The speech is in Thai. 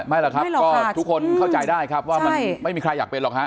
ไม่หรอกครับก็ทุกคนเข้าใจได้ครับว่ามันไม่มีใครอยากเป็นหรอกฮะ